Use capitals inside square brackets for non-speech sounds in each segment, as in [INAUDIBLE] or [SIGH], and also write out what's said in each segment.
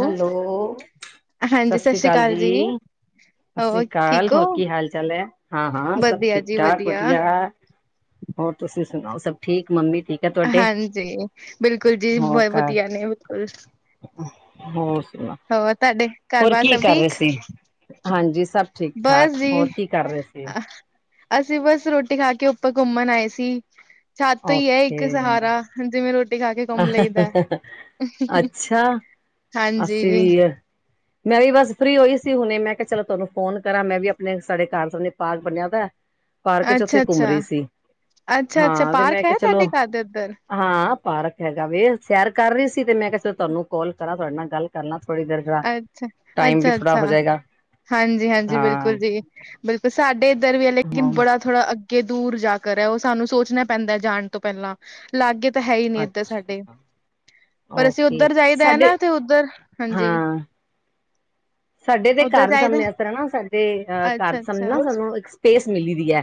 Hello, ਸਤਿ ਸ੍ਰੀ ਅਕਾਲ ਜੀ। ਸਤਿ ਸ਼੍ਰੀ ਹੋਰ ਅਕਾਲ, ਠੀਕ ਹੋ ਹੋਰ ਕੀ ਹਾਲ ਚਾਲ ਹੈ? ਹਾਂ-ਹਾਂ ਸਭ ਵਧੀਆ ਠੀਕ ਜੀ ਠਾਕ ਵਧੀਆ ਏ। ਹੋਰ ਤੁਸੀਂ ਸੁਣਾਓ? ਸਭ ਠੀਕ ਮੰਮੀ ਠੀਕ ਹੈ ਤੁਹਾਡੇ? ਹਾਂਜੀ। ਬਿਲਕੁਲ, ਜੀ ਹੋਰ ਬੋਹਤ ਘਰ ਵਧੀਆ ਨੇ, ਬਿਲਕੁਲ ਹੋਰ ਸੁਣਾ ਹੋਰ ਤੁਹਾਡੇ ਘਰ ਹੋਰ ਬਾਰ ਕੀ ਸਭ ਕਰ ਰਹੇ ਠੀਕ ਸੀ? ਹਾਂਜੀ, ਸਭ ਠੀਕ ਠਾਕ ਬਸ ਜੀ ਹੋਰ ਕੀ ਕਰ ਰਹੇ ਸੀ? ਅਸੀਂ ਬਸ ਰੋਟੀ ਖਾ ਕੇ ਉੱਪਰ ਘੁੰਮਣ ਆਏ ਸੀ। ਛੱਤ ਹੀ ਹੈ, ਇੱਕ ਓਕੇ ਸਹਾਰਾ ਜਿਵੇਂ ਰੋਟੀ ਖਾ ਕੇ ਘੁੰਮ ਲਈ ਦਾ। ਅੱਛਾ। ਹਾਂਜੀ। ਅਸੀਂ ਵੀ ਮੈਂ ਵੀ ਬਸ ਫ੍ਰਰੀ ਹੋਈ ਸੀ ਹੁਣੇ, ਮੈਂ ਕਿਹਾ ਚਲੋ ਤੁਹਾਨੂੰ ਫੋਨ ਕਰਾਂ ਮੈਂ ਵੀ ਆਪਣੇ ਸਾਡੇ ਘਰ ਸਣੇ ਪਾਰਕ ਬਨਿਆ ਦਾ। ਪਾਰਕ ਚ ਉੱਥੇ ਅੱਛਾ ਘੁੰਮ ਰਹੀ ਅੱਛਾ ਸੀ। ਅੱਛਾ ਅੱਛਾ ਹਾਂ ਮੈਂ ਪਾਰਕ ਹੈ ਕਿਹਾ ਚਲੋ ਤੁਹਾਡੇ ਘਰ ਦੇ ਉੱਧਰ ਹਾਂ, ਪਾਰਕ ਹੈਗਾ ਵੇ ਸੈਰ ਕਰ ਰਹੀ ਸੀ। ਤੇ ਮੈਂ ਕੇ ਤੁਹਾਨੂੰ ਕਾਲ ਕਰਾਂ, ਤੁਹਾਡੇ ਨਾਲ ਗੱਲ ਕਰਨਾ ਥੋੜੀ ਦੇਰ ਜਰਾ ਅੱਛਾ, ਟਾਈਮ ਵੀ ਅੱਛਾ-ਅੱਛਾ। ਥੋੜਾ ਹੋ ਜਾਏਗਾ ਹਾਂਜੀ-ਹਾਂਜੀ, ਹਾਂ ਬਿਲਕੁਲ ਜੀ ਬਿਲਕੁਲ ਸਾਡੇ ਇੱਧਰ ਵੀ ਹੈ। ਲੇਕਿਨ ਹਾਂ ਬੜਾ ਥੋੜ੍ਹਾ ਅੱਗੇ ਦੂਰ ਜਾ ਕਰ ਏ, ਓਹ ਸਾਨੂੰ ਸੋਚਣਾ ਪੈਂਦਾ ਜਾਣ ਤੋਂ ਪਹਿਲਾਂ ਲਾਗੇ ਤਾਂ ਹੈ, ਹੀ ਨਹੀਂ ਇੱਧਰ ਅੱਛਾ ਸਾਡੇ ਪਰ ਅਸੀਂ ਓਕੇ ਉੱਧਰ ਜਾਈਦਾ ਹੈ। ਸਾਡੇ ਨਾ ਤੇ ਉਧਰ ਹਾਂਜੀ। [UNINTELLIGIBLE] ਸਾਡੇ ਦੇ ਉੱਧਰ ਘਰ ਦੇ ਜਾਈਦਾ ਸਾਹਮਣੇ ਏਸ ਤਰ੍ਹਾਂ ਨਾ ਸਾਡੇ ਅਹ ਘਰ ਸਾਹਮਣੇ ਅੱਛਾ-ਅੱਛਾ, ਨਾ ਸਾਨੂੰ ਇੱਕ ਸਪੇਸ ਮਿਲੀ ਰਈ ਹੈ।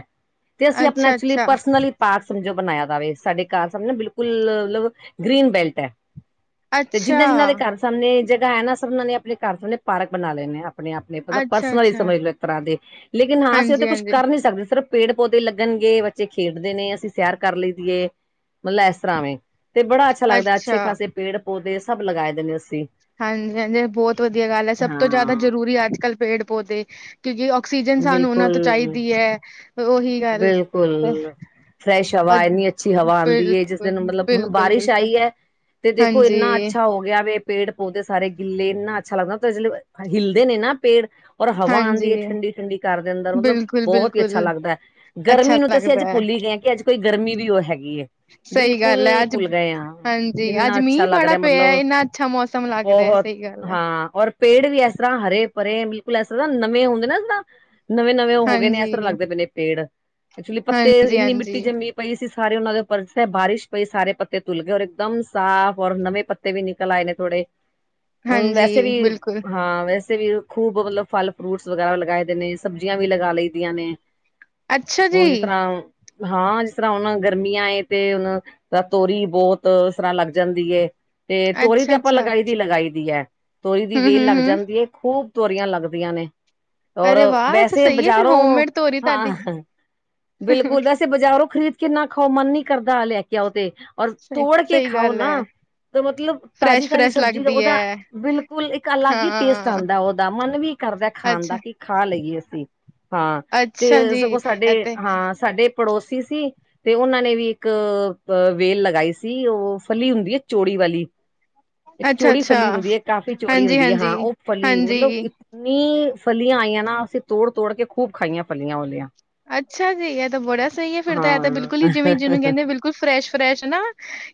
ਤੇ ਅਸੀਂ ਆਪਣਾ ਐਕਚੁਲੀ ਅੱਛਾ-ਅੱਛਾ, ਪਰਸਨਲ ਪਾਰਕ, ਸਮਝੋ ਬਣਾਇਆ ਦਾ ਵੇ, ਸਾਡੇ ਘਰ ਸਾਮਣੇ ਬਿਲਕੁਲ ਮਤਲਬ ਗ੍ਰਰੀਨ ਬੈਲਟ ਹੈ। ਤੇ ਅੱਛਾ। ਜਿੰਨਾ-ਜਿਨਾਂ ਦੇ ਘਰ ਸਾਹਮਣੇ ਜਗ੍ਹਾ ਹੈ ਨਾ, ਸਬਣਾ ਨੇ ਆਪਣੇ ਘਰ ਸਾਹਮਣੇ ਪਾਰਕ ਬਣਾ ਲੈਣੇ, ਆਪਣੇ ਆਪ ਨੇ ਮਤਲਬ ਪਰਸਨਲਲੀ ਅੱਛਾ-ਅੱਛਾ, ਸਮਝ ਲੋਓ ਇੱਕ ਤਰ੍ਹਾਂ ਦੇ ਲੇਕਿਨ ਹਾਂ, ਅਸੀਂ ਉਹ ਤੇ ਕੁਛ ਹਾਂਜੀ-ਹਾਂਜੀ, ਕਰ ਨੀ ਸਕਦੇ। ਸਿਰਫ ਪੇੜ ਪੌਦੇ ਲੱਗਣਗੇ, ਬੱਚੇ ਖੇਡਦੇ ਨੇ, ਅਸੀਂ ਸੈਰ ਕਰ ਲਈ ਦੀਏ ਮਤਲਬ ਇਸ ਤਰ੍ਹਾਂ ਵ ਤੇ ਬੜਾ ਅੱਛਾ ਲੱਗਦਾ, ਅੱਛੇ ਖਾਸੇ ਪੇੜ ਪੌਦੇ ਸਭ ਲਗਾਏ ਦੇਦੇ ਅਸੀਂ। ਹਾਂਜੀ-ਹਾਂਜੀ, ਬਹੁਤ ਵਧੀਆ ਗੱਲ ਹੈ। ਸਭ ਤੋਂ ਜ਼ਿਆਦਾ ਜ਼ਰੂਰੀ ਹਾਂ ਅੱਜ ਕੱਲ੍ਹ ਪੇੜ ਪੌਦੇ। ਕਿਉਂਕਿ, ਆਕਸੀਜਨ ਸਾਨੂੰ ਉਹਨਾਂ ਤੋਂ ਬਿਲਕੁਲ ਚਾਹੀਦੀ ਹੈ। ਉਹੀ ਗੱਲ ਬਿਲਕੁਲ। ਤੇ ਫਰੈਸ਼, ਅ ਹਵਾ ਇੰਨੀ ਅੱਛੀ ਹਵਾ ਆਉਂਦੀ ਹੈ। ਜਿਸ ਬਿਲਕੁਲ, ਦਿਨ ਮਤਲਬ ਹੁਣ ਬਿਲਕੁਲ, ਬਾਰਿਸ਼ ਬਿਲਕੁਲ ਆਈ ਹੈ। ਤੇ ਦੇਖੋ ਹਾਂਜੀ, ਇੰਨਾ ਅੱਛਾ ਹੋ ਗਿਆ। ਵ ਪੇੜ ਪੌਦੇ ਸਾਰੇ ਗਿੱਲੇ। ਇੰਨਾ ਅੱਛਾ ਲੱਗਦਾ ਜਿਵੇਂ ਹਿਲਦੇ ਨੇ ਨਾ ਪੇੜ। ਔਰ ਹਵਾ ਹਾਂਜੀ। ਆਉਂਦੀ ਹੈ। ਠੰਡੀ -ਠੰਡੀ ਘਰ ਦੇ ਅੰਦਰ ਮਤਲਬ ਬਿਲਕੁਲ, ਬਹੁਤ ਹੀ ਬਿਲਕੁਲ ਅੱਛਾ ਲੱਗਦਾ ਹੈ। ਅੱਛਾ ਗਰਮੀ ਨੂੰ ਤੇ ਅਸੀਂ ਅੱਜ ਲੱਗਦਾ ਹੈ, ਭੁੱਲ ਹੀ ਗਏ ਹਾਂ। ਕਿ ਅੱਜ ਕੋਈ ਗਰਮੀ ਵੀ ਉਹ ਹੈਗੀ ਏ। ਸਹੀ ਗੱਲ ਹੈ। ਅੱਜ ਹਾਂਜੀ। ਇੰਨਾ ਅੱਜ ਅੱਛਾ ਮੀਂਹ ਲੱਗ ਬੜਾ ਰਿਹਾ ਪਿਆ ਮਤਲਬ ਇੰਨਾ ਅੱਛਾ ਮੌਸਮ ਸਮ ਲੱਗ ਰਿਹਾ ਬਹੁਤ ਸਹੀ ਗੱਲ। ਹੈ। ਹਾਂ। ਔਰ ਪੇੜ ਵੀ ਇਸ ਤਰ੍ਹਾਂ ਹਰੇ ਪਰੇ ਬਿਲਕੁਲ ਇਸ ਤਰ੍ਹਾਂ ਨਵੇਂ ਹੁੰਦੇ ਨਾਦਾ ਇਸ ਤਰ੍ਹਾਂ ਨਵੇਂ -ਨਵੇਂ। ਉਹ ਹੋ ਗਏ ਨੇ। ਇਸ ਹਾਂਜੀ, ਤਰ੍ਹਾਂ ਲੱਗਦੇ ਪਏ ਨੇ ਪੇੜ। ਐਕਚੁਲੀ ਪੱਤੇ ਹਾਂਜੀ, ਇੰਨੀ ਮਿੱਟੀ ਹਾਂਜੀ, ਜੰਮੀ ਪਈ ਸੀ। ਸਾਰੇ ਉਹਨਾਂ ਦੇ ਉੱਪਰੇ ਬਾਰਿਸ਼ ਪਈ। ਸਾਰੇ ਪੱਤੇ ਧੁਲ ਗਏ ਔਰ ਇਕਦਮ ਸਾਫ਼। ਔਰ ਨਵੇਂ ਪੱਤੇ ਪੱਤੇ ਵੀ ਨਿਕਲ ਆਏ ਨੇ ਥੋੜੇ। ਵੈਸੇ ਵੀ ਹਾਂਜੀ ਬਿਲਕੁਲ ਹਾਂ। ਵੈਸੇ ਇਥੇ ਵੀ ਖੂਬ ਮਤਲਬ ਫਲ ਫਰੂਟਸ ਵਗੈਰਾ ਲਗਾਏ ਦੇ ਨੇ। ਸਬਜ਼ੀਆਂ ਵੀ ਲਗਾ ਲਈ ਦੀਆਂ ਨੇ। ਅੱਛਾ ਜੀ। ਹੁਣ ਜਿਸ ਤਰ੍ਹਾਂ। ਹਾਂ। ਜਿਸ ਤਰ੍ਹਾਂ ਹੁਣ ਗਰਮੀਆਂ ਏ ਤੇ ਹੁਣ ਤਾਂ ਤੋਰੀ ਬਹੁਤ ਇਸ ਤਰ੍ਹਾਂ ਲੱਗ ਜਾਂਦੀ ਏ। ਤੇ ਤੋਰੀ ਤੇ ਅੱਛਾ, ਆਪਾਂ ਅੱਛਾ ਲਗਾਈ ਦੀ ਲਗਾਈ ਦੀ ਏ। ਤੋਰੀ ਦੀ ਹੂੰ, ਵੇਲ ਹੂੰ, ਲੱਗ ਹੂੰ ਜਾਂਦੀ ਹੈ ਖੂਬ ਤੋਰੀਆਂ ਲੱਗਦੀਆਂ ਨੇ। ਔਰ ਅਰੇ ਵਾਹ! ਤੇ ਵੈਸੇ ਸਹੀ ਹੈ ਫਿਰ ਬਜ਼ਾਰੋਂ ਹੋਮਮੇਡ ਤੋਰੀ ਤੁਹਾਡੀ। ਹਾਂ। ਬਿਲਕੁਲ। ਵੈਸੇ ਬਾਜ਼ਾਰੋਂ ਖਰੀਦ ਕੇ ਇੰਨਾ ਖਾਓ ਮਨ ਨੀ ਕਰਦਾ ਲੈ ਕੇ ਆਓ ਤੇ ਔਰ ਸਹੀ, ਤੋੜ ਕੇ ਸਹੀ ਖਾਓ ਗੱਲ ਨਾ। ਹੈ ਮਤਲਬ ਤਾਜ਼ੀ ਫਰੈਸ਼, -ਤਾਜ਼ੀ ਫਰੈਸ਼ ਸਬਜ਼ੀ ਦਾ। ਲੱਗਦੀ ਉਹਦਾ ਹੈ ਬਿਲਕੁਲ ਇੱਕ ਅਲੱਗ ਹੀ ਟੇਸਟ ਹਾਂ। ਆਉਂਦਾ ਉਹਦਾ। ਮਨ ਵੀ ਕਰਦਾ ਖਾਣ ਦਾ ਅੱਛਾ, ਕਿ ਖਾ ਲਈਏ ਅਸੀਂ। ਹਾਂ ਤੇ ਅੱਛਾ ਜੀ ਸਗੋਂ ਸਾਡੇ ਅਤੇ ਹਾਂ। ਸਾਡੇ ਪੜੋਸੀ ਸੀ। ਤੇ ਉਹਨਾਂ ਨੇ ਵੀ ਇੱਕ ਵੇਲ ਲਗਾਈ ਸੀ। ਉਹ ਫਲੀ ਹੁੰਦੀ ਹੈ ਚੌੜੀ ਵਾਲੀ। ਇੱਕ ਅੱਛਾ, ਚੌੜੀ ਅੱਛਾ ਫਲੀ ਹੁੰਦੀ ਹੈ। ਕਾਫ਼ੀ ਚੌੜੀ ਹੁੰਦੀ ਹੈ। ਹਾਂ ਉਹ ਫਲੀ ਮਤਲਬ ਨੀ ਫਲੀਆਂ ਆਈਆਂ ਨਾ। ਅਸੀਂ ਤੋੜ- ਤੋੜ ਕੇ ਖੂਬ ਖਾਈਆਂ। ਫਲੀਆਂ ਵਲੀਆਂ। ਅੱਛਾ ਜੀ। ਇਹ ਤਾਂ ਬੜਾ ਸਹੀ ਹੈ। ਫਿਰ ਤਾਂ ਇਹ ਤਾਂ ਬਿਲਕੁਲ ਹੀ ਜਿਵੇਂ ਹਾਂ ਜਿਨੂੰ ਕਹਿੰਦੇ ਬਿਲਕੁਲ ਬਿਲਕੁਲ ਫਰੈਸ਼- ਫਰੈਸ਼ ਨਾ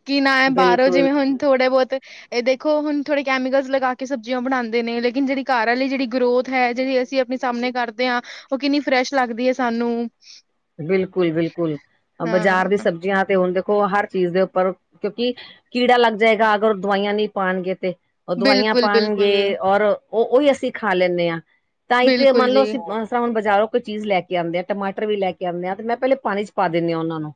ਕਿ ਨਾ ਹੈ ਬਾਹਰੋਂ ਬਿਲਕੁਲ, ਜਿਵੇਂ ਹੁਣ ਥੋੜੇ ਬਹੁਤ। ਇਹ ਦੇਖ ਹੁ ਥੋੜੇ ਕੈਮੀਕਲਸ ਲਗਾ ਕੇ ਸਬੀਆਂ ਬਣਾਉਦੇ ਨੇ। ਲੇਕਿਨ ਜਿਹੜੀ ਘਰ ਵਾਲੀ ਜਿਹੜੀ ਗਰੋਥ ਹੈ। ਜਿਹੜੀ ਅਸੀਂ ਆਪਣੀ ਸਾਹਮਣੇ ਕਰਦੇ ਹਾਂ। ਉਹ ਕਿੰਨੀ ਫਰੈਸ਼ ਲੱਗਦੀ ਹੈ। ਸਾਨੂੰ ਬਿਲਕੁਲ -ਬਿਲਕੁਲ ਬਾਜ਼ਾਰ ਦੀ ਹਾਂ, ਸਬਜ਼ੀਆਂ ਤੇ ਹੁਣ ਦੇਖੋ। ਹਰ ਚੀਜ਼ ਦੇ ਉੱਪਰ ਕਿਉਂਕਿ ਕੀੜਾ ਲੱਗ ਜਾਏਗਾ। ਅਗਰ ਉਹ ਦਵਾਈਆਂ ਨਹੀਂ ਪਾਉਣਗੇ ਤੇ ਉਹ ਦਵਾਈਆਂ ਬਿਲਕੁਲ, ਪਾਉਣਗੇ। ਬਿਲਕੁਲ, ਔਰ ਉਹ ਉਹੀ ਅਸੀਂ ਖਾ ਲੈਂਦੇ ਹਾਂ। ਤਾਂ ਇ ਤੇ ਬਿਲਕੁਲ ਮੰਨ ਲਓ ਜੀ। ਅਸੀਂ ਤਾਂ ਹੁਣ ਬਾਜ਼ਾਰੋਂ ਕੋਈ ਚੀਜ਼ ਲੈ ਕੇ ਆਉਦੇ ਆ ਟਮਾਟਰ ਵੀ ਲੈ ਕੇ ਆਉਦੇ ਆ ਤੇ ਮੈਂ ਪਹਿਲੇ ਪਾਣੀ ਚ ਪਾ ਦਿੰਦੀ ਹਾਂ ਉਹਨਾਂ ਨੂੰ।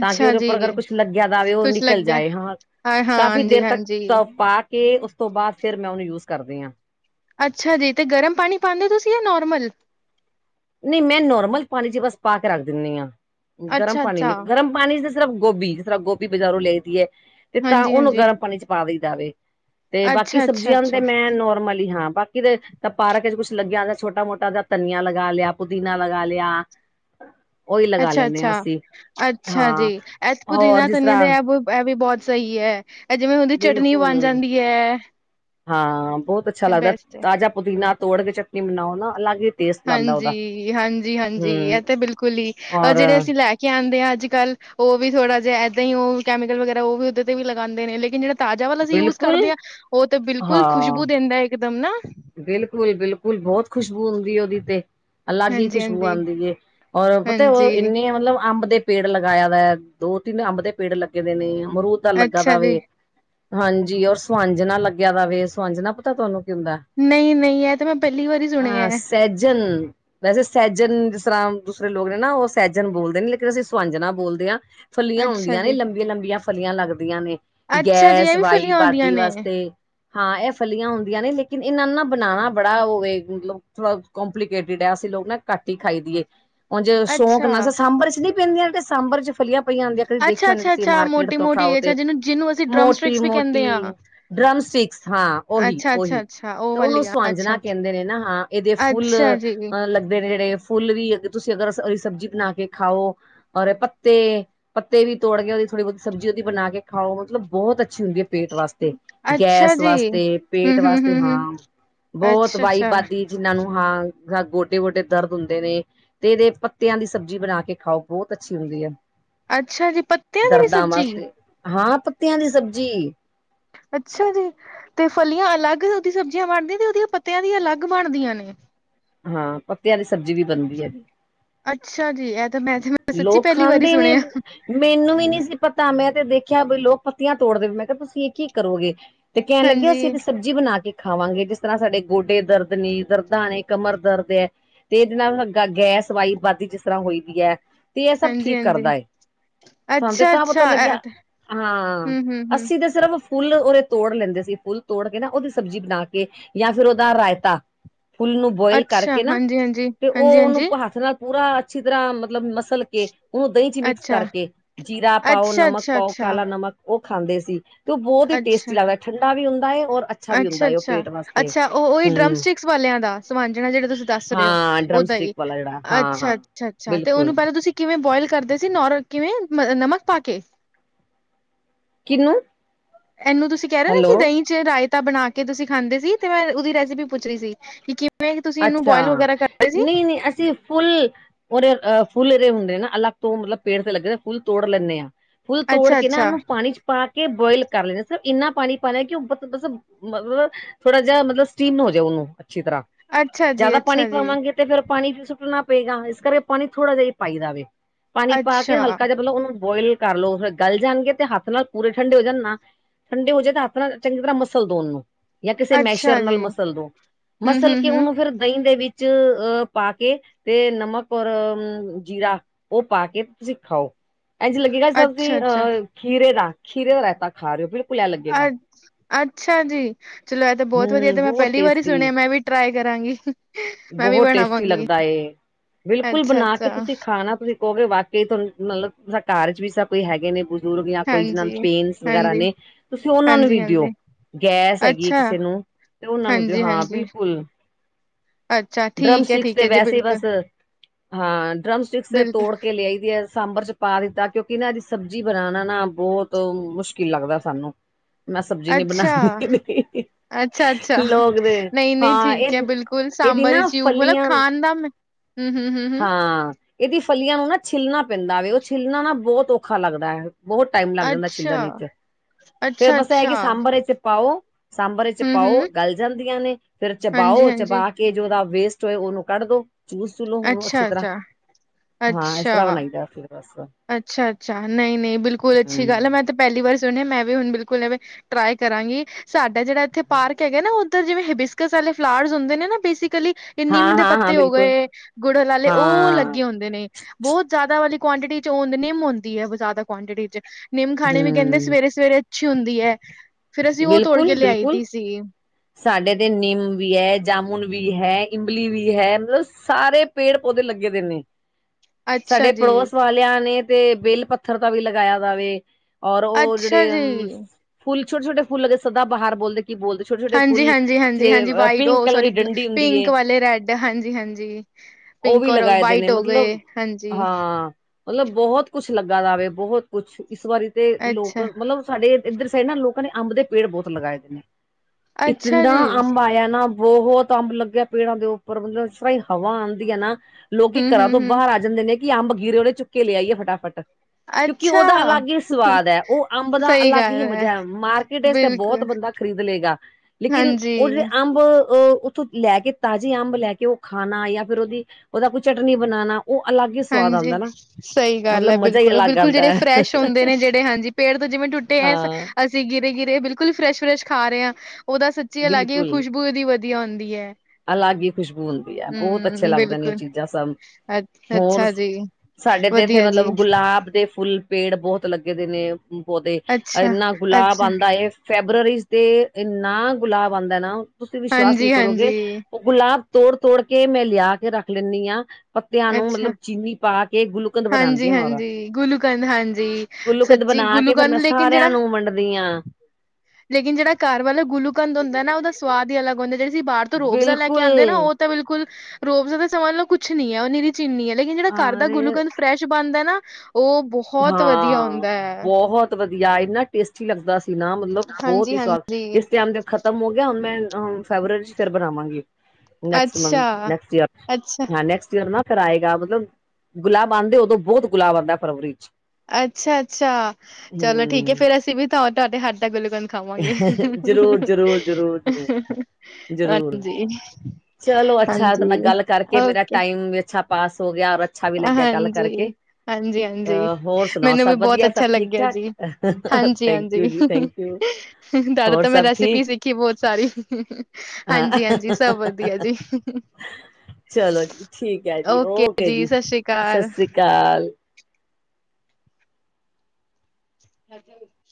ਤਾਂ ਕਿ ਉਹਦੇ ਜੀ, ਉੱਪਰ ਅਗਰ ਕੁਛ ਲੱਗਿਆ ਦਾਵੇ। ਉਹ ਕੁਛ ਨਿਕਲ ਲੱਗਿਆ ਜਾਏ ਹਾਂ। ਅ ਹਾਂ ਕਾਫ਼ੀ ਜੀ, ਦੇਰ ਹਾਂ ਤੱਕ ਜੀ। ਪਾ ਕੇ। ਉਸ ਤੋਂ ਬਾਅਦ ਫਿਰ ਮੈਂ ਉਹਨੂੰ ਯੂਜ ਕਰਦੀ ਹਾਂ। ਅੱਛਾ ਜੀ। ਤੇ ਗਰਮ ਪਾਣੀ ਪਾਉਂਦੇ ਹੋ ਤੁਸੀਂ। ਜਾਂ ਨੋਰਮਲ ਨਹੀਂ। ਮੈਂ ਨੋਰਮਲ ਪਾਣੀ ਚ ਬਸ ਪਾ ਕੇ ਰੱਖ ਦਿੰਦੀ ਹਾਂ। ਗਰਮ ਪਾਣੀ ਅੱਛਾ-ਅੱਛਾ, ਨੀ। ਗਰਮ ਪਾਣੀ ਚ ਸਿਰਫ ਗੋਭੀ ਜ ਤ ਗੋਭੀ ਬਜ਼ਾਰੋਂ ਲਿਆਦੀ ਹੈ। ਤੇ ਤਾਂ ਹਾਂਜੀ, ਉਹਨੂੰ ਹਾਂਜੀ। ਗਰਮ ਪਾਣੀ ਚ ਪਾ ਵੀ ਜਾਵੇ। ਤੇ ਬਾਕੀ ਅੱਛਾ, ਅੱਛਾ, ਸਬਜ਼ੀਆਂ ਨੂੰ ਅੱਛਾ, ਤੇ ਮੈਂ ਨੋਰਮਲ ਹਾਂ। ਬਾਕੀ ਦੇ ਤਾਂ ਪਾਰਕ ਚ ਕੁਛ ਲਗਿਆ ਛੋਟਾ ਮੋਟਾ ਜ ਧਨੀਆਂ ਲੱਗਾ। ਲਗਾ ਲਿਆ। ਪੁਦੀਨਾ ਲਗਾ ਲਿਆ। ਉਹੀ ਲਗਾ ਅੱਛਾ ਲੈਂਦੇ ਹਾਂ -ਅੱਛਾ। ਅਸੀਂ ਅੱਛਾ ਹਾਂ। ਜੀ। ਐਸ ਹੋਰ ਪੁਦੀਨਾ ਜਿਸ ਧਨੀਆ ਤਰ੍ਹਾਂ ਦੇ ਐਬ ਇਹ ਵੀ ਬਹੁਤ ਸਹੀ ਹੈ। ਇਹ ਜਿਵੇਂ ਹੁੰਦੀ ਚਟਨੀ ਬਣ ਬਿਲਕੁਲ ਜਾਂਦੀ ਹੈ। ਹਾਂ। ਬਹੁਤ ਅੱਛਾ ਲੱਗਦਾ। ਤਾਜ਼ਾ ਪੁਦੀਨਾ ਤੋੜ ਕੇ ਚਟਨੀ ਬਣਾਓ ਨਾ। ਅਲੱਗ ਹੀ ਟੇਸਟ ਲਾਂਦਾ ਹਾਂਜੀ ਉਹਦਾ -ਹਾਂਜੀ -ਹਾਂਜੀ। ਹੂੰ ਇਹ ਤੇ ਬਿਲਕੁਲ ਹੀ ਉਹ ਔਰ ਜਿਹੜੇ ਅਸੀਂ ਲੈ ਕੇ ਕ ਆਂਦੇ ਆ ਅੱਜ -ਕੱਲ। ਉਹ ਵੀ ਥੋੜਾ ਜਿਹਾ ਏਦਾਂ ਹੀ ਉਹ ਕੈਮੀਕਲ ਵਗੈਰਾ। ਉਹ ਵੀ ਉਹਦੇ ਤੇ ਵੀ ਲਗਾਉਂਦੇ ਨੇ। ਲੇਕਿਨ ਜਿਹੜਾ ਤਾਜ਼ਾ ਵਾਲਾ ਅਸੀਂ ਯੂਜ ਬਿਲਕੁਲ ਕਰਦੇ ਹਾਂ। ਉਹ ਤਾਂ ਬਿਲਕੁਲ ਖੁਸ਼ਬੂ ਦਿੰਦਾ ਇੱਕ ਦਮ ਨਾ ਬਿਲਕੁਲ -ਬਿਲਕੁਲ। ਬਹੁਤ ਖੁਸ਼ਬੂ ਹੁੰਦੀ ਏ ਉਹਦੀ ਤੇ ਅਲੱਗ ਹੀ ਖੁਸ਼ਬੂ ਹਾਂਜੀ-ਹਾਂਜੀ, ਹਾਂਜੀ, ਆਉਂਦੀ ਏ, ਔਰ ਪਤਾ ਉਹ ਹਾਂਜੀ। ਇੰਨੇ ਮਤਲਬ ਅੰਬ ਦੇ ਪੇੜ ਲਗਾਇਆ ਵਾ, ਦੋ ਤਿੰਨ ਅੰਬ, ਦੇ ਪੇੜ ਲੱਗੇ ਦੇ ਨੇ ਅਮਰੂਦ, ਦਾ ਲੱਗਾ ਅੱਛਾ ਦਾ ਜੀ। ਵ ਹਾਂਜੀ, ਔਰ ਸਵਾਂਜਣਾ ਲੱਗਿਆ, ਦਾ ਵੇ ਸਵਜਣਾ ਪਤਾ ਤੁਹਾਨੂੰ ਕਿ ਹੰਦਾ? ਨਹੀਂ-ਨਹੀਂ। ਤੇ ਮੈਂ ਪਹਿਲੀ ਵਾਰੀ ਸੁਣਿਆ, ਆਹ, ਹੈ। ਸੈਜਨ ਵੈਸੇ, ਸੈਜਨ ਜਿਸ ਤਰ੍ਹਾਂ ਦੂਸਰੇ ਲੋਕ ਨੇ ਨਾ ਉਹ ਸੈਜਨ ਬੋਲਦੇ ਨੇ ਲੇਕਿਨ, ਅਸੀਂ ਸਵੰਜਣਾ ਬੋਲਦੇ ਹਾਂ। ਫੱਲੀਆਂ ਅੱਛਾ ਹੁੰਦੀਆਂ ਨੇ, ਜੀ, ਲੰਬੀਆਂ-ਲੰਬੀਆਂ ਫਲੀਆਂ ਲੱਗਦੀਆਂ ਨੇ। ਅੱਛਾ ਜੀ ਗੈਸ ਇਹ ਵੀ ਫਲੀਆਂ ਹੁੰਦੀਆਂ ਵਈਬਾਦੀ ਨੇ। ਵਾਸਤੇ ਹਾਂ। ਇਹ ਫਲੀਆਂ ਹੁੰਦੀਆਂ ਨੇ ਲੇਕਿਨ ਇਹਨਾਂ ਨੂੰ ਨਾ ਬਣਾਉਣਾ ਬੜਾ ਉਹਵੇ ਮਤਲਬ ਥੋੜਾ ਕੰਪਲੀਕੇਟਿਡ ਏ। ਅਸੀਂ ਲੋਕ ਨਾ ਘੱਟ ਹੀ ਖਾਈ ਦੀਏ। ਉਝ ਸ਼ੌਂਕ ਅੱਛਾ, ਨਾਲ ਸਾਂਬਰ ਚ ਨੀ ਪੈਂਂਦੀਆਂ, ਤੇ ਸਾਂਬਰ ਚ ਫਲੀਆਂ ਪਈਆਂ ਹੁੰਦੀਆਂ, ਕਦੀ ਦੇਖਿਆ ਹੋਣੀਆਂ ਤੁਸੀਂ ਅੱਛਾ-ਅੱਛਾ-ਅੱਛਾ ਮੋਟੀ-ਮੋਟੀ ਅੱਛਾ ਮਾਰਕੀਟ ਮੋਟੀ ਤੋਂ ਖਾਓ ਮੋਟੀ ਅੱਛਾ ਤੇ ਜਿਹਨੂੰ ਜਿਹਨੂੰ ਅਸੀਂ ਡਰਮ ਸਟਿਕਸ ਵੀ ਕਹਿੰਦੇ ਆ। ਮੋਟੀ-ਮੋਟੀ ਡਰਮ ਸਿਕਸ ਹਾਂ, ਉ ਓਹੀ-ਓਹੀ ਅੱਛਾ-ਅੱਛਾ-ਅੱਛਾ ਉਹ ਤਾਂ ਉਹਨੂੰ ਵਾਲੀ ਆ ਸਵਾਂਜਣਾ ਅੱਛਾ-ਅੱਛਾ, ਕਹਿੰਦੇ ਨੇ ਨਾ ਹਾਂ। ਇਹਦੇ ਅੱਛਾ ਫੁੱਲ ਅੱਛਾ ਜੀ, ਅਹ ਲੱਗਦੇ ਨੇ ਜਿਹੜੇ ਫੁੱਲ ਦੀ ਆ, ਤੁਸੀਂ ਅਗਰ ਏਦੀ ਸਬਜ਼ੀ ਬਣਾ ਕੇ ਖਾਓ। ਔਰ, ਪੱਤੇ ਪੱਤੇ ਵੀ ਤੋੜ ਕੇ ਉਹਦੀ ਥੋੜੀ ਬਹੁਤੀ ਸਬਜ਼ੀ ਉਹਦੀ ਬਣਾ ਕੇ ਖਾਓ ਮਤਲਬ ਬਹੁਤ ਅੱਛੀ ਹੁੰਦੀ ਹੈ। ਪੇਟ, ਵਾਸਤੇ ਅੱਛਾ ਗੈਸ, ਜੀ। ਵਾਸਤੇ ਪੇਟ ਵਾਸਤੇ ਹੂੰ-ਹੂੰ-ਹੂੰ-ਹੂੰ, ਹਾਂ। ਬਹੁਤ ਅੱਛਾ-ਅੱਛਾ, ਅੱਛਾ ਵਾਈਬਾਦੀ ਜਿਹਨਾਂ ਨੂੰ ਹਾਂ। ਗੋਡੇ-ਗੋਡੇ ਦਰਦ ਹੁੰਦੇ ਨੇ। ਤੇ ਇਹਦੇ ਪੱਤਿਆਂ ਦੀ ਸਬਜ਼ੀ ਬਣਾ ਕੇ ਖਾਓ। ਬਹੁਤ ਅੱਛੀ ਹੁੰਦੀ ਏ। ਅੱਛਾ, ਅੱਛਾ ਜੀ ਪੱਤਿਆਂ ਦੀ ਵੀ ਦਰਦਾਂ ਸਬਜ਼ੀ? ਵਾਸਤੇ, ਹਾਂ ਪੱਤਿਆਂ ਦੀ ਸਬਜ਼ੀ ਅੱਛਾ ਜੀ, ਤੇ ਫਲੀਆਂ ਅਲੱਗ ਉਹਦੀ ਸਬਜ਼ੀਆਂ ਬਣਦੀਆਂ ਤੇ ਉਹਦੀਆਂ ਪੱਤਿਆਂ ਦੀ ਅਲੱਗ ਬਣਦੀਆਂ ਨੇ। ਹਾਂ, ਪੱਤਿਆ ਦੀ ਸਬਜ਼ੀ ਵੀ ਬਣਦੀ ਹੈ ਜੀ। ਅੱਛਾ ਜੀ, ਇਹ ਤਾਂ ਮੈਂ ਤੇ ਮੈਂ ਸੱਚੀ ਲੋਕ ਪਹਿਲੀ ਵਾਰੀ ਖਾਂਦੇ ਨੇ ਸੁਣਿਆ। ਮੈਨੂੰ ਵੀ ਨਹੀਂ? ਸੀ ਪਤਾ ਮੈਂ ਤੇ ਦੇਖਿਆ, ਵੀ ਲੋਕ ਪੱਤੀਆਂ ਤੋੜਦੇ ਮੈਂ ਕਿਹਾ, ਤੁਸੀਂ ਇਹ ਕੀ ਕਰੋਗੇ। ਤੇ ਕਹਿਣ ਲੱਗੇ, ਅਸੀਂ ਹਾਂਜੀ, ਏਦੀ ਸਬਜੀ ਸਬਜੀ ਬਣਾ ਕੇ ਖਾਵਾਂਗੇ, ਜਿਸ ਤਰ੍ਹਾਂ ਸਾਡੇ ਗੋਡੇ ਦਰਦ ਨੇ ਦਰਦਾਂ ਨੇ ਕਮਰ ਦਰਦ ਏ। ਤੇ ਇਹਦੇ ਨਾਲ ਗ ਗੈਸ, ਵਈ ਵੱਦੀ ਜਿਸ ਤਰ੍ਹਾਂ ਹੋਈ ਵੀ ਹੈ, ਤੇ ਇਹ ਸਭ ਠੀਕ ਹਾਂਜੀ-ਹਾਂਜੀ। ਕਰਦਾ ਹੈ। ਸਾਨੂੰ ਤੇ ਤਾਂ ਪਤਾ ਅੱਛਾ-ਅੱਛਾ ਲੱਗਿਆ ਐ ਤੇ ਹਾਂ। ਹੂੰ-ਹੂੰ-ਹੂੰ, ਅੱਸੀ ਤੇ ਸਿਰਫ ਫੁੱਲ ਉਹਰੇ ਤੋੜ ਲੈਂਦੇ ਸੀ। ਫੁੱਲ ਤੋੜ ਕੇ ਨਾ ਉਹਦੀ ਸਬਜ਼ੀ ਬਣਾ ਕੇ ਜਾਂ ਫਿਰ ਉਹਦਾ ਰਾਇਤਾ ਫੁੱਲ ਨੂੰ ਬੋਇਲ ਅੱਛਾ ਕਰਕੇ ਨਾ, ਹਾਂਜੀ-ਹਾਂਜੀ, ਤੇ ਉਹ ਉਹਨੂੰ ਹਾਂਜੀ-ਹਾਂਜੀ, ਹੱਥ ਨਾਲ ਪੂਰਾ ਅੱਛੀ ਤਰ੍ਹਾਂ ਮਤਲਬ ਮਸਲ ਕੇ ਉਹਨੂੰ ਦਹੀਂ ਚ ਮਿਕਸ ਅੱਛਾ। ਕਰਕੇ ਜੀਰਾ, ਪਾਓ ਨਮਕ, ਪਾਓ ਅੱਛਾ-ਅੱਛਾ-ਅੱਛਾ, ਕਾਲਾ, ਨਮਕ ਉਹ ਖਾਂਦੇ ਸੀ। ਤੇ ਉਹ ਬਹੁਤ ਹੀ ਟੇਸਟੀ ਲਗਦਾ ਠੰਡਾ ਵੀ ਹੁੰਦਾ ਹੈ, ਔਰ ਵੀ ਹੁੰਦਾ ਅੱਛਾ, ਹੈ ਉਹ ਪੇਟ ਵਾਸਤੇ ਅੱਛਾ-ਅੱਛਾ, ਉਹ ਉਹਹੀ ਡਰਮ ਹਮ ਸਟਿਕਸ ਵਾਲਿਆਂ ਦਾ ਸਮਾਂਜਣਾ ਜਿਹੜਾ ਤੁਸੀਂ ਦੱਸ ਰਹੇ ਹੋ। ਉਹਦਾ ਹੀ [INAUDIBLE] ਹਾਂ-ਹਾਂ। ਅੱਛਾ-ਅੱਛਾ, ਤੇ ਉਹਨੂੰ ਪਹਿਲਾਂ ਤੁਸੀਂ ਕਿਵੇਂ ਬੋਇਲ ਕਰਦੇ ਸੀ, ਨਰ ਕਿਵੇਂ ਨਮਕ ਪਾ ਕੇ? ਕੀਨੂੰ? ਇਹਨੂੰ ਤੁਸੀਂ ਕਹਿ ਰਹੇ ਹੋ ਨਾ, ਕਿ ਦਹੀਂ ਚ ਰਾਇਤਾ ਬਣਾ ਕੇ ਤੁਸੀਂ ਖਾਂਦੇ ਸੀ, ਤੇ ਮੈਂ ਉਹਦੀ ਰੈਸਿਪੀ ਪੁੱਛ ਰਹੀ ਸੀ, ਕਿ ਕਿਵੇਂ ਤੁਸੀਂ ਇਹਨੂੰ ਅੱਛਾ, ਬੋਇਲ ਵਗੈਰਾ ਕਰਦੇ ਸੀ? ਨਹੀਂ-ਨਹੀਂ ਅਸੀਂ ਫੁੱਲ ਉਹਦੇ ਫੁੱਲ ਹੁੰਦੇ ਆ ਨਾ, ਅਲੱਗ ਤੋਂ ਮਤਲਬ ਪੇੜ ਤੇ ਲੱਗੇ ਫੁੱਲ ਤੋੜ ਲੈਂਦੇ ਆ। ਫੁੱਲ ਤੋੜ ਕੇ ਨਾ ਅੱਛਾ-ਅੱਛਾ, ਉਹਨੂੰ ਪਾਣੀ ਚ ਪਾ ਕੇ ਬੋਇਲ ਕਰ ਲੈਂਦੇ, ਸਿਰ ਇੰਨਾ ਪਾਣੀ ਪਾ ਲਣਾ, ਕਿ ਉਹ ਮਲਬ ਮਤਲਬ ਥੋੜਾ ਜਿਹਾ ਮਤਲਬ ਸਟੀਮ ਨਾ ਹੋ ਜਾਓ। ਓਨੂੰ ਅਛੀ ਤਰ੍ਹਾਂ ਅੱਛਾ ਅੱਛਾ ਜੀ, ਜ਼ਿਆਦਾ ਪਾਣੀ ਅੱਛਾ ਜੀ। ਪਾਵਾਂਗੇ, ਤੇ ਫੇਰ ਪਾਣੀ ਵੀ ਸੁੱਟਣਾ ਪਏਗਾ, ਇਸ ਕਰਕੇ ਪਾਣੀ ਥੋੜ੍ਹਾ ਜਿਹਾ ਪਾਈ ਦਾ ਵੇ। ਪਾਣੀ ਪਾ ਕੇ ਅੱਛਾ, ਹਲਕਾ ਜਿਹਾ ਮਤਲਬ ਉਹਨੂੰ ਬੋਇਲ ਕਰ ਲੋਓ, ਫਿਰ ਗਲ ਜਾਣਗੇ ਤੇ ਹੱਥ ਨਾਲ ਪੂਰੇ ਠੰਡੇ ਹੋ ਜਾਣ ਨਾ। ਠੰਡੇ ਹੋ ਜਾਏ ਤਾਂ ਆਪਣਾ ਚੰਗੀ ਤਰ੍ਹਾਂ ਮਸਲ ਦੋ ਉਹਨੂੰ ਜਾਂ ਕਿਸੇ ਮੈਸ਼ਰ ਅੱਛਾ ਨਾਲ ਜੀ, ਮਸਲ ਦੋ। ਹੂੰ, ਮਸਲ ਹੂੰ, ਕੇ ਹੂੰ, ਉਹਨੂੰ ਫਿਰ ਦਹੀਂ ਦੇ ਵਿੱਚ ਅਹ ਪਾ ਕੇ ਤੇ ਨਮਕ ਔਰ ਜੀਰਾ ਉਹ ਪਾ ਕੇ ਤੁਸੀਂ ਖਾਓ। ਇਜੀ ਲੱਗੇਗਾ ਤੂੰਸੀ ਅੱਛਾ-ਅੱਛਾ, ਅਹ ਖੀਰੇ -ਖੀਰੇ ਦਾ ਰਾਇਤਾ ਖਾ ਰਹੇ ਹੋ ਬਿਲਕੂਲ। ਅੱ' ਅੱਛਾ ਜੀ। ਚਲੋ ਇਹ ਤਾਂ ਬਹੁਤ ਵਧੀਆ ਹਮ ਤੇ ਮੈਂ ਬਹੁਤ ਪਹਿਲੀ ਵਾਰੀ ਟੇਸਟੀ ਸੁਣਿਆ ਮੈਂ ਵੀ ਟਰਾਈ ਕਰਾਂਗੀ। ਮੈਂ ਵੀ ਬਹੁਤ ਟੇਸਟੀ ਬਣਾਵਾਂਗੀ। ਲੱਗਦਾ ਏ, ਬਿਲਕੁਲ ਬਣਾ ਕੇ ਅੱਛਾ-ਅੱਛਾ, ਤੁਸੀਂ ਖਾਣਾ ਤੁਸੀਂ ਕਹੋਗੇ ਵਾਕਈ ਤੁਹਾਨੂੰ ਮਤਲਬ ਘਰ ਚ' ਵੀ ਕੋਈ ਹੈਗੇ ਨੇ। ਬਜ਼ੁਰਗ ਜਾਂ ਕੋਈ ਜਿ ਹਾਂਜੀ, ਪੇਨ ਵਗੈਰਾ ਹਾਂਜੀ, ਨੇ ਤੁਸੀਂ ਉਹਨਾਂ ਨੂੰ ਵੀ ਦਿਓ। ਹਾਂਜੀ-ਹਾਂਜੀ, ਗੈਸ ਹੈਗੀ ਅੱਛਾ, ਕਿਸੇ ਨੂੰ, ਤੇ ਉਹਨਾਂ ਨੂੰ ਤੇ ਹਾਂ ਹਾਂਜੀ-ਹਾਂਜੀ, ਬਿਲਕੁਲ। ਅੱਛਾ ਡਰਮ ਠੀਕ ਐ, ਸਟਿਕਸ ਠੀਕ ਤੇ ਐ ਜੀ ਵੈਸੇ ਹੀ ਬਿਲਕੁਲ, ਬਸ ਹਾਂ, ਡਰਮ ਸਟਿਕ ਤੇ ਬਿਲਕੁਲ, ਤੋੜ ਕੇ ਲਿਆ ਹੀ ਦੀ। ਸਾਂਬਰ ਚ' ਪਾ ਦਿੱਤਾ ਕਿਉਂਕਿ ਇਹਨਾਂ ਦੀ ਸਬਜ਼ੀ ਬਣਾਉਣਾ ਨਾ ਬਹੁਤ ਮੁਸ਼ਕਿਲ ਲੱਗਦਾ ਸਾਨੂੰ। ਮੈਂ ਸਬਜ਼ੀ ਨੀ ਅੱਛਾ। ਬਣਾਦੀ। ਅੱਛਾ-ਅੱਛਾ, ਲੋਕ ਦੇ ਨਈ-ਨਈ ਹਾਂ ਠੀਕ ਐ ਇਹ ਬਿਲਕੁਲ ਇਹਦੀ ਸਾਂਬਰ ਨਾ ਵਿੱਚ ਯੂ ਮਤਲਬ ਫਲੀਆਂ। ਖਾਣ ਦਾ ਮੈਂ ਹੂੰ, ਹੂੰ, ਹੂੰ, ਹੂੰ, ਹਾਂ। ਇਹਦੀ ਫਲੀਆਂ ਨੂੰ ਨਾ ਛਿੱਲਣਾ ਪੈਂਦਾਵੇ, ਉਹ ਛਿੱਲਣਾ ਨਾ ਬਹੁਤ ਔਖਾ ਲੱਗਦਾ ਹੈ ਬਹੁਤ। ਟਾਈਮ ਲੱਗ ਜਾਂਦਾ ਅੱਛਾ, ਛਿੱਲਣ ਚ'। ਫੇਰ ਬਸ ਇਹ ਅੱਛਾ-ਅੱਛਾ, ਕਿ ਸਾਂਬਰ ਵਿੱਚ ਪਾਓ। ਸਾਂਬਰੇ ਚ' ਹੂੰ, ਪਾਓ ਹੂੰ, ਗਲ ਜਾਂਦੀਆਂ ਨੇ, ਫਿਰ ਚਬਾਓ ਹਾਂਜੀ-ਹਾਂਜੀ, ਚਬਾ ਕੇ ਕਿ ਜੋ ਉਹਦਾ ਵੇਸਟ ਹੋਏ ਉਹਨੂੰ ਕੱਢ ਦੋ। ਚੂਸ ਚੂਲੋ ਹੁਣ ਅੱਛੀ ਤਰ੍ਹਾਂ ਅੱਛਾ-ਅੱਛਾ, ਅੱਛਾ। ਅੱਛਾ ਹਾਂ, ਇਸ ਤਰ੍ਹਾਂ ਅੱਛਾ, ਬਣਾਈਦਾ ਫਿਰ ਬਸ। ਅੱਛਾ-ਅੱਛਾ, ਨਹੀਂ-ਨਹੀਂ, ਬਿਲਕੁਲ ਅੱਛੀ ਗੱਲ ਹੈ ਮੈਂ ਤੇ ਪਹਿਲੀ ਵਾਰ ਸੁਣਿਆ ਮੈਂ ਵੀ ਹੁਣ ਬਿਲਕੁਲ ਟਰਾਈ ਕਰਾਂਗੀ, ਸਾਡਾ ਜਿਹੜਾ ਇੱਥੇ ਪਾਰਕ ਹੈਗਾ ਨਾ। ਜਿਵੇਂ ਹਬਿਸਕਸ ਵਾਲੇ ਫਲਾਵਰਸ ਹੁੰਦੇ ਨੇ ਨਾ ਬੇਸਿਕਲੀ ਕਿ ਨਿੰਮ ਹਾਂ ਦੇ ਹਾਂ ਹਾਂ ਪੱਤੇ ਹੋ ਬਿਲਕੁਲ ਗਏ, ਗੁੜਲ ਵਾਲੇ ਉਹ ਹਾਂ ਲੱਗੇ ਹੁੰਦੇ ਨੇ, ਬਹੁਤ ਜ਼ਿਆਦਾ ਵਾਲੀ ਕੁਆਂਟਿਟੀ ਨਿੰਮ ਆੁੰਦੀ ਹੈ ਜ਼ਿਆਦਾ ਕੁਆਂਟਿਟੀ ਚ' ਨਿੰਮ ਖਾਣੇ ਵੀ ਕਹਿੰਦੇ ਹਮ ਸਵੇਰੇ-ਸਵੇਰੇ ਅੱਛੀ ਹੁੰਦੀ ਹੈ, ਫੇਰ ਅਸੀਂ ਉਹ ਤੋੜ ਕੇ ਬਿਲਕੁਲ ਲਿਆਈ ਬਿਲਕੁਲ ਦੀ ਸੀ। ਸਾਡੇ ਤੇ ਨਿੰਮ ਵੀ ਹੈ, ਜਾਮੁਨ ਵੀ ਹੈ, ਇਮਲੀ ਵੀ ਹੈ ਮਤਲਬ ਸਾਰੇ ਪੇੜ ਪੌਦੇ ਲੱਗੇ ਦੇ ਨੇ। ਅੱਛਾ ਸਾਡੇ ਜੀ, ਪੜੋਸ ਵਾਲਿਆਂ ਨੇ ਤੇ ਬੇਲ ਪੱਥਰ ਦਾ ਵੀ ਲਗਾਇਆ ਦਾਵੇ। ਔਰ ਉਹ ਅੱਛਾ ਜਿਹੜੇ ਜੀ। ਅਮ ਫੁੱਲ ਛੋਟੇ-ਛੋਟੇ ਫੁੱਲਗੇ ਸਦਾ ਬਾਹਰ ਬੋਲਦੇ ਕੀ ਬੋਲਦੇ ਛੋਟੇ-ਛੋਟੇ ਹਾਂਜੀ-ਹਾਂਜੀ, ਫੁੱਲਥੇ ਹਾਂਜੀ-ਹਾਂਜੀ ਵਾਈਟ ਪਿੰਕ ਉਹ ਕਲਰ ਦੀ ਸੋਰੀ ਡੰਡੀ ਹੁੰਦੀ ਪਿੰਕ ਵਾਲੇ ਰੈਡ ਹਾਂਜੀ-ਹਾਂਜੀ। ਉਹ ਪਿੰਕ ਵੀ ਔਰ ਲਗਾਏ ਦੇ ਨੇ। ਵਾਈਟ ਹੋ ਮਤਲਬ ਗਏ ਹਾਂਜੀ ਹਾਂ। ਮਤਲਬ ਬਹੁਤ ਕੁਛ ਲੱਗਾ ਜਾਵੇ ਬਹੁਤ ਕੁਛ ਇਸ ਵਾਰੀ ਤੇ ਲੋਕ ਅੱਛਾ ਮਤਲਬ ਸਾਡੇ ਇੱਧਰ ਸ ਨਾ ਲੋਕਾਂ ਨੇ ਅੰਬ ਦੇ ਪੇੜ ਬਹੁਤ ਲਗਾਏ ਦੇ ਨੇ, ਅੱਛਾ ਇਤਨਾ ਜੀ ਅੰਬ ਆਇਆ ਨਾ। ਬਹੁਤ ਅੰਬ ਲੱਗਿਆ ਪੇੜਾਂ ਦੇ ਉੱਪਰ ਮਤਲਬ ਹੀ ਹਵਾ ਆਉਂਦੀ ਹੈ ਨਾ ਲੋਕੀ ਹੂੰ ਘਰਾਂ ਹੂੰ ਤੋਂ ਹੂੰ ਬਾਹਰ ਆ। ਜਾਂਦੇ ਨੇ ਕਿ ਅੰਬ ਗੀਰ ਉਹਨੇ ਚੁੱਕ ਕੇ ਲਿਆਈਏ ਫਟਾਫਟ। ਕਿਉਂਕਿ ਅੱਛਾ ਉਹਦਾ ਅਲੱਗ ਹੀ ਸਵਾਦ ਹੈ ਉਹ ਅੰਬ ਦਾ ਸਹੀ ਅਲੱਗ ਗੱਲ ਹੀ ਮਜ਼ਾ ਹੈ ਮਾਰ ਬਹੁਤ ਬਿਲਕੁਲ ਬੰਦਾ ਖਰੀਦ ਲਏਗਾ। ਲੇਕਿਨ ਉਹ ਜ ਹਾਂਜੀ ਅੰਬ ਅਹ ਉੱਥੋਂ ਲੈ ਕੇ ਤਾਜ਼ੇ ਅੰਬ ਲੈ ਕੇ ਉਹ ਖਾਣਾ ਜਾਂ ਫਿਰ ਉਹਦੀ ਉਹਦਾ ਕੋਈ ਚਟਨੀ ਬਣਾਉਣਾ। ਉਹ ਅਲੱਗ ਹੀ ਸਵਾਦ ਹਾਂਜੀ। ਆਉਂਦਾ ਨਾ ਸਹੀ ਗੱਲ ਮਤਲਬ ਹੈ ਮਜ਼ਾ ਹੀ ਅਲੱਗ ਬਿਲਕੁਲ-ਬਿਲਕੁਲ ਆਉਂਦਾ ਜਿਹੜੇ ਹੈ ਫਰੈਸ਼ ਹੁੰਦੇ ਨੇ ਜਿਹੜੇ ਹਾਂਜੀ। ਪੇੜ ਤੋਂ ਜਿਵੇਂ ਟੁੱਟੇ ਹੈ ਅਸੀਂ ਹਾਂ ਅਸੀਂ ਗਿਰੇ- ਗਿਰੇ ਬਿਲਕੁਲ ਫਰੈਸ਼-ਫਰੈਸ਼ ਖਾ ਰਹੇ ਹਾਂ, ਉਹਦਾ ਸੱਚੀ ਅਲੱਗ ਹੀ ਬਿਲਕੁਲ ਖੁਸ਼ਬੂ ਉਹਦੀ ਵਧੀਆ ਹੁੰਦੀ ਹੈ। ਅਲੱਗ ਹੀ ਖੁਸ਼ਬੂ ਹੁੰਦੀ ਹੈ ਬਹੁਤ ਅੱਛੇ ਹੂੰ ਲੱਗਦੇ ਨੇ ਉਹ ਬਿਲਕੁਲ ਚੀਜ਼ਾਂ ਸਭ ਅ ਹੋ। ਹੋਰ ਅੱਛਾ ਜੀ ਸਾਡੇ ਤੇ ਇੱਥੇ ਵਧੀਆ ਮਤਲਬ ਜੀ ਗੁਲਾਬ ਦੇ ਫੁੱਲ ਪੇੜ ਬਹੁਤ ਲੱਗੇ ਦੇ ਨੇ ਪੌਦੇ, ਅੱਛਾ ਇੰਨਾ ਗੁਲਾਬ ਅੱਛਾ ਆਂਦਾ ਐ, ਫੈਬਰਰੀ ਤੇ ਏਨਾ ਗੁਲਾਬ ਆਂਦਾ ਨਾ ਤੁਸੀਂ ਵਿਸ਼ਵਾਸ ਨਹੀਂ ਹਾਂਜੀ ਕਰੋਗੇ, ਹਾਂਜੀ ਉਹ ਗੁਲਾਬ ਤੋੜ-ਤੋੜ ਕੇ ਮੈਂ ਲਿਆ ਕੇ ਰੱਖ ਲੈਂਦੀ ਆ। ਪੱਤਿਆਂ ਨੂੰ ਅੱਛਾ ਮਤਲਬ ਚੀਨੀ ਪਾ ਕੇ ਗੁਲੂਕੰਦ ਬਣਾਦੀ ਆ ਮ ਉਦਾ ਹਾਂਜੀ-ਹਾਂਜੀ, ਗੁਲੂਕੰਦ ਹਾਂਜੀ, ਗੁੱਲੂਕੱਦ ਸੱਚੀ ਬਣਾ ਕੇ ਫੇਰ ਗੁਲੂਕੰਦ ਮੈਂ ਲੇਕਿਨ ਸਾਰਿਆਂ ਜਿਹੜਾ ਨੂੰ ਵੰਡਦੀ ਆ। ਲੇਕਿਨ ਜਿਹੜਾ ਘਰ ਵਾਲਾ ਗਲੂਕਦ ਹੁੰਦਾ ਨਾ ਉਹਦਾ ਸਵਾਦ ਈ ਅਲੱਗ ਹੁੰਦਾ, ਜਿਹੜੇ ਅਂਸੀ ਬਾਹਰ ਤੋਂ ਰੋਬਜਾਂ ਲੈ ਕੇ ਬਿਲਕੁਲ ਆਂਦੇ ਨਾ ਉਹ ਤਾਂ ਬਿਲਕੁਲ, ਰੋਬਜ਼ਾ ਦਾ ਸਮਾਂ ਲ' ਕੁਛ ਨੀ ਐ, ਉਹ ਨੇਰੀ ਚੀਨੀ ਐ, ਲੇਕਿਨ ਜਿਹੜਾ ਘਰ ਅਰੇ ਗੁਲੂਗੰਦ ਫਰੈਸ਼ ਬਣਦਾ ਨਾ ਉਹ ਬਹੁਤ ਵਧੀਆ ਹਾਂ ਹੁੰਦਾ ਐ। ਬਹੁਤ ਵਧੀਆ, ਇੰਨਾ ਟੇਸਟੀ ਲੱਗਦਾ ਸੀ ਨਾ ਮਤਲਬ ਬਹੁਤ ਈ ਸਵਾਦ ਹਾਂਜੀ-ਹਾਂਜੀ, ਇਸ ਟਾਈਮ ਦੇ, ਖ਼ਤਮ ਹੋ ਗਿਆ ਹੁਣ ਮੈਂ ਫੈਬਰੀ ਚ ਫਿਰ ਬਣਾਵਾਂਗੀ। ਨੈਕਸਟ ਮੰਥ, ਅੱਛਾ। ਨੈਕਸਟ ਈਅਰ ਅੱਛਾ, ਹਾਂ ਨੈਕਸਟ ਈਅਰ ਨਾ, ਫਿਰ ਆਏਗਾ, ਮਤਲਬ ਗੁਲਾਬ ਆਂਦਾ ਉਦੋਂ ਬਹੁਤ ਗੁਲਾਬ ਆਂਦਾ ਫਰਵਰੀ। ਚ ਅੱਛਾ, ਅੱਛਾ ਚਲੋ ਠੀਕ ਐ ਹੂੰ ਫੇਰ ਅਸੀਂ ਵੀ ਤਾਂ ਤੋਡੇ ਹੱਥ ਦਾ ਗੁਲੂਕੰਦ ਖਾਵਾਂਗੇ। ਜ਼ਰੂਰ, ਜ਼ਰੂਰ, ਜ਼ਰੂਰ, ਜ਼ਰੂਰ ਜ਼ਰੂਰ, ਹਾਂਜੀ, ਚਲੋ ਅੱਛਾ ਤੇ ਹਾਂਜੀ, ਮੈਂ ਗੱਲ ਕਰਕੇ ਮੇਰਾ ਓਕੇ। ਟਾਈਮ ਵੀ ਅੱਛਾ, ਪਾਸ ਹੋ ਗਿਆ। ਅੱਛਾ ਵੀ ਲੱਗਿਆ ਗੱਲ ਹਾਂਜੀ, ਕਰਕੇ ਹਾਂਜੀ, ਹਾਂਜੀ ਅ ਹੋਰ ਸੁਣਾਓ ਮੈਨੂੰ ਵੀ ਸਭ ਬਹੁਤ ਵਧੀਆ ਸਭ ਅੱਛਾ ਠੀਕ ਲੱਗਿਆ ਠਾਕ ਜੀ। ਹਾਂਜੀ, ਥੈਂਕ ਹਾਂਜੀ, ਯੂ ਜੀ ਥੈਂਕ ਯੂ ਹੁਹੁਹੁਹਹਹ ਤੁਹਾਡੇ ਹੋਰ ਤੋਂ ਮੈਂ ਸਭ ਰੈਸਿਪੀ ਠੀਕ ਸਿੱਖੀ ਬਹੁਤ ਸਾਰੀ,, ਹਾਂ ਹਾਂਜੀ- ਹਾਂਜੀ ਸਭ ਵਧੀਆ ਜੀ। ਚਲੋ ਜੀ ਠੀਕ ਐ ਜੀ, ਓਕੇ ਜੀ। ਸਸਿ ਸ਼ੀਕਾਲ। ਕਾਲ ਹ [UNINTELLIGIBLE]